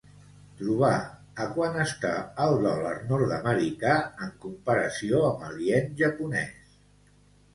Trobar a quant està el dòlar nord-americà en comparació amb el ien japonès.